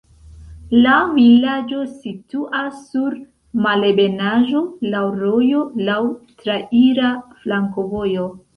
La vilaĝo situas sur malebenaĵo, laŭ rojo, laŭ traira flankovojo.